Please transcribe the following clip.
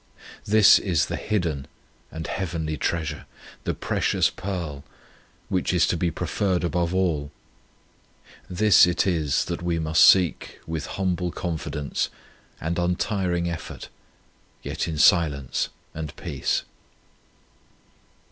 This is the hidden and heavenly treasure, the precious pearl, which is to be preferred before all. This it is that we must seek with humble confidence and untiring effort, yet in silence and peace.